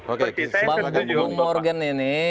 oke bang bung morgan ini